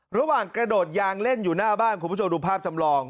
ระหว่างกระโดดยางเล่นอยู่หน้าบ้านคุณผู้ชมดูภาพจำลอง